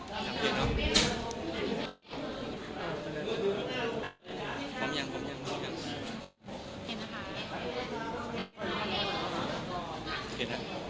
พร้อมอย่างพร้อมอย่างพร้อมอย่างครับ